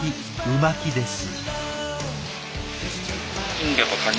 う巻きです。